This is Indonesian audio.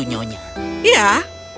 mengapa kau mengajukan pertanyaan seperti itu